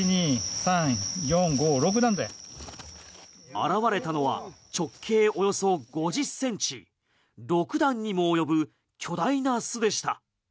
現れたのは直径およそ５０センチ６段にも及ぶ巨大な巣でした。